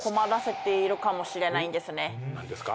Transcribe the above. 何ですか？